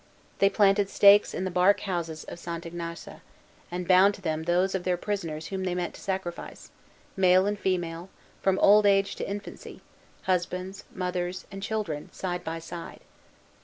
They planted stakes in the bark houses of St. Ignace, and bound to them those of their prisoners whom they meant to sacrifice, male and female, from old age to infancy, husbands, mothers, and children, side by side.